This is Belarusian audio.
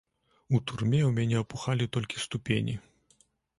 У турме ў мяне апухалі толькі ступені.